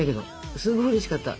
すごいうれしかった。